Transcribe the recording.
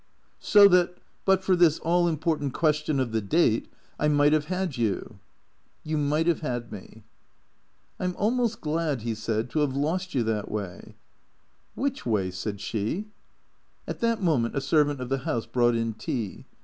" So that, but for this all important question of the date, I might have had you ?"" You might have had me." " I 'm almost glad," he said, " to have lost you — that way." " '\,\Tiich way ?" said she. x\t that moment a servant of the house brought in tea.